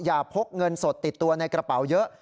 พกเงินสดติดตัวในกระเป๋าเยอะ